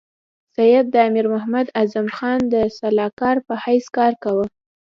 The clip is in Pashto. سید د امیر محمد اعظم خان د سلاکار په حیث کار کاوه.